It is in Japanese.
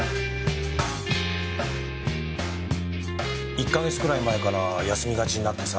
１か月くらい前から休みがちになってさ